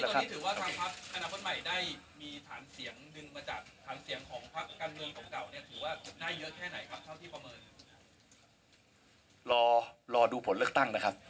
ครับรอดูผลเลือกตั้งนะครับ